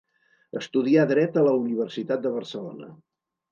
Estudià dret a la Universitat de Barcelona.